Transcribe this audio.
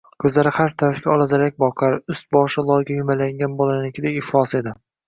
Ko’zlari har tarafga olazarak boqar, ust-boshi loyga yumalagan bolanikiday iflos edi.